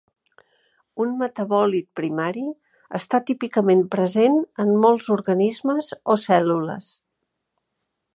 Un metabòlit primari està típicament present en molts organismes o cèl·lules.